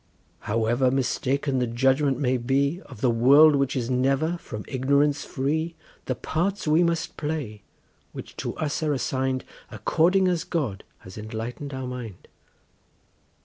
However mistaken the judgment may be Of the world which is never from ignorance free, The parts we must play, which to us are assign'd, According as God has enlighten'd our mind.